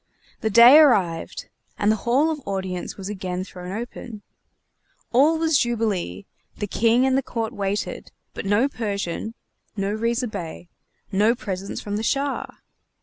The day arrived, and the Hall of Audience was again thrown open. All was jubilee; the King and the court waited, but no Persian no Riza Bey no presents from the Shah!